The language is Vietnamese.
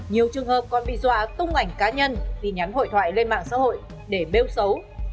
nhiều trường hợp còn bị dọa tung ảnh cá nhân tin nhắn hội thoại lên mạng xã hội để bêu xấu